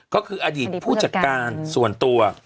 ก็คืออดีตผู้จัดการส่วนตัว